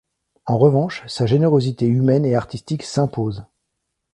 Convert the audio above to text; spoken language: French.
En revanche, sa générosité humaine et artistique s'impose.